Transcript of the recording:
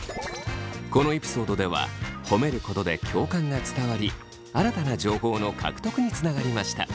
このエピソードでは褒めることで共感が伝わり新たな情報の獲得につながりました。